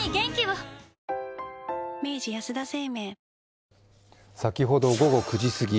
ぷはーっ先ほど午後９時すぎ